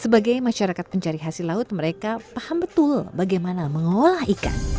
sebagai masyarakat pencari hasil laut mereka paham betul bagaimana mengolah ikan